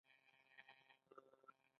اذان د څه غږ دی؟